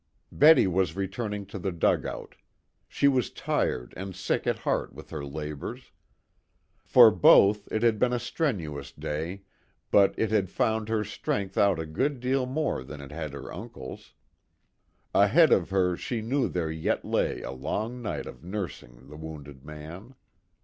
Betty was returning to the dugout. She was tired and sick at heart with her labors. For both it had been a strenuous day, but it had found her strength out a good deal more than it had her uncle's. Ahead of her she knew there yet lay a long night of nursing the wounded man.